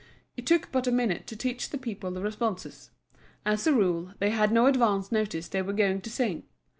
It took but a minute to teach the people the responses. As a rule they had no advance notice they were going to sing.